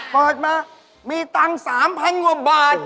เปิดมามีตังค์๓๐๐กว่าบาท